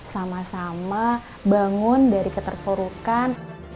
sama sama bangun dari keterpurukan